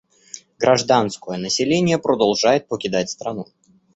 Гражданское население продолжает покидать страну.